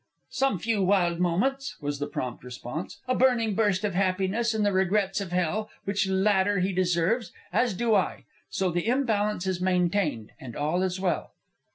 "Some few wild moments," was the prompt response; "a burning burst of happiness, and the regrets of hell which latter he deserves, as do I. So the balance is maintained, and all is well."